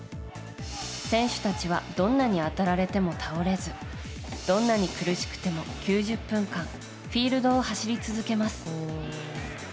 選手たちはどんなに当たられても倒れずどんなに苦しくても９０分間フィールドを走り続けます。